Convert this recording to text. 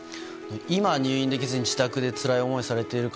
今、入院できずに自宅でつらい思いをされている方